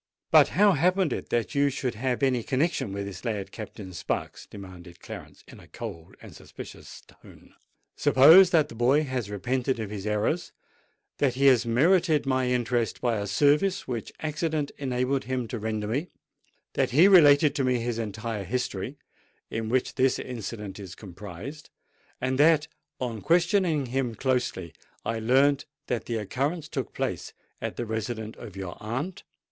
"But how happened it that you should have any connexion with this lad, Captain Sparks!" demanded Clarence, in a cold and suspicions tone. "Suppose that the boy has repented of his errors—that he has merited my interest by a service which accident enabled him to render me—that he related to me his entire history, in which this incident is comprised—and that, on questioning him closely, I learnt that the occurrence took place at the residence of your aunt?"